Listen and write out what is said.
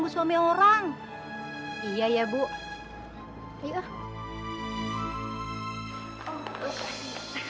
yang segera kaya riz